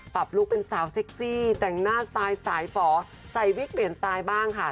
ปรับลูกเป็นสาวเซ็กซี่แต่งหน้าสไตล์สายฟ้อใสวิคเบรนด์สายบ้างค่ะ